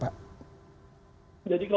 jadi kalau saya mengatakan